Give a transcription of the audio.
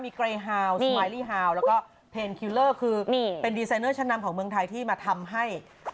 มีเกรฮาวสมายลี่ฮาวแล้วก็เพนคิวเลอร์คือนี่เป็นดีไซเนอร์ชั้นนำของเมืองไทยที่มาทำให้